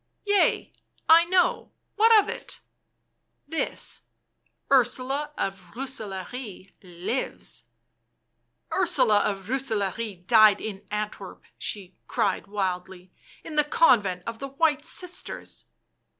" Yea, I know — what of it?" " This — Ursula of Rooselaare lives!" " Ursula of Rooselaare died in Antwerp," she oried wildly —" in the convent of the White Sisters."